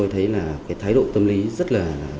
thái độ tâm lý rất là